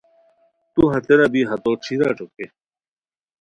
تو ہتیرا بی ہتو ݯھیرا ݯوکے